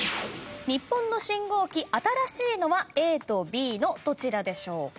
日本の信号機新しいのはＡとＢのどちらでしょうか？